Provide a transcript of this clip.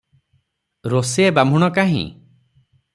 ରୋଷେଇଆ ବାହ୍ମୁଣ କାହିଁ?